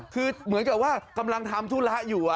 คือเหมือนกับว่ากำลังทำธุระอยู่